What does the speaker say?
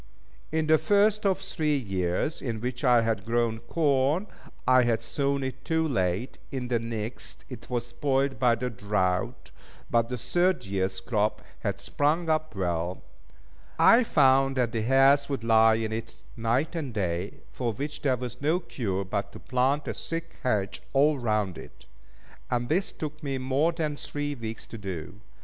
In the first of the three years in which I had grown corn, I had sown it too late; in the next, it was spoilt by the drought; but the third years' crop had sprung up well. I found that the hares would lie in it night and day, for which there was no cure but to plant a thick hedge all round it; and this took me more than three weeks to do.